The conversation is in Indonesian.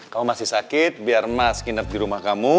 kalo masih sakit biar mas kinap di rumah kamu